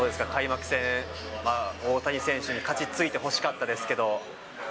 開幕戦、大谷選手に勝ち、ついてほしかったですけど。